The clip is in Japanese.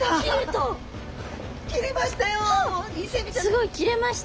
すごい。切れました！